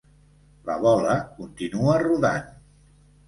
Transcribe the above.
La bola continua rodant.